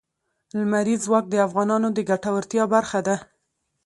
لمریز ځواک د افغانانو د ګټورتیا برخه ده.